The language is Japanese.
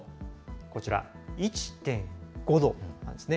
こちら、１．５度なんですね。